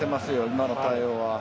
今の対応は。